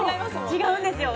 違うんですよ。